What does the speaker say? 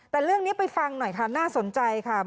แต่เรื่องนี้ไปฟังหน่อยค่ะน่าสนใจค่ะ